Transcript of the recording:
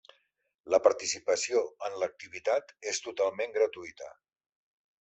La participació en l'activitat és totalment gratuïta.